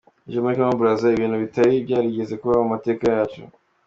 Ejo muri Kongo Brazza, ibintu bitari byarigeze kubaho mu mateka yacu.